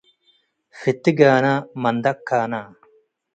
ፍቲ ጋነ፡ መንደቅ ካነ።